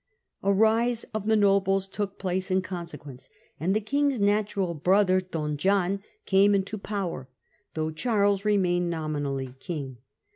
A rising of the nobles took place in consequence, and the King's natural brother, Don John, came into power, though Charles remained nominally King.